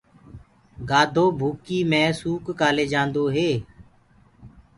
گآڌو ڀوڪي مي سوڪَ ڪآلي جآنٚدوئي